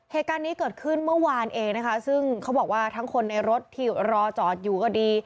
เหตุการณ์นี้เกิดขึ้นเมื่อวานเองนะคะซึ่งเขาบอกว่าทั้งคนในรถที่รอจอดอยู่ก็ดี